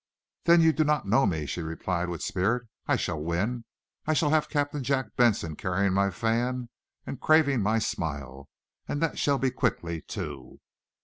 "Then you do, not know me," she replied, with spirit. "I shall win! I shall have Captain Jack Benson carrying my fan and craving my smile. And that shall be quickly, too!"